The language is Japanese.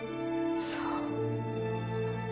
そう。